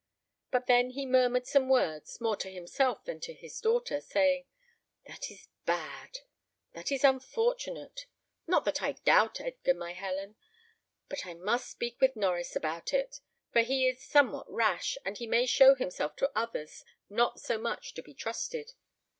But he then murmured some words, more to himself than to his daughter, saying: "That is bad; that is unfortunate: not that I doubt Edgar, my Helen; but I must speak with Norries about it; for he is somewhat rash, and he may show himself to others not so much to be trusted.